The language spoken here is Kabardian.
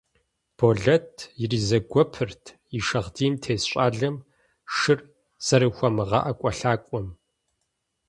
Болэт иризэгуэпырт и шагъдийм тес щӀалэм шыр зэрыхуэмыгъэӀэкӀуэлъакӀуэм.